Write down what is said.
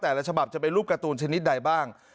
แต่ละฉบับจะเป็นรูปการ์ตูนชนิดใดบ้าง